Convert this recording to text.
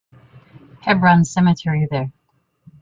Hebron Cemetery there.